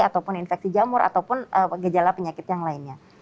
ataupun infeksi jamur ataupun gejala penyakit yang lainnya